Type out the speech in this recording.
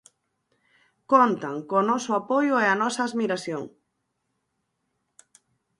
Contan co noso apoio e a nosa admiración.